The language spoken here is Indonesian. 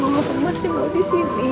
mau apa masih mau disini